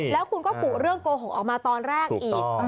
แล้วคุณก็กุเรื่องโกหกออกมาตอนแรกอีก